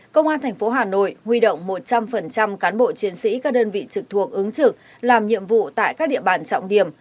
công an tp hà nội huy động một trăm linh cán bộ chiến sĩ các đơn vị trực thuộc ứng trực làm nhiệm vụ tại các địa bàn trọng điểm